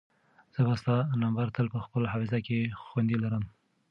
زه به ستا نمبر تل په خپل حافظه کې خوندي لرم.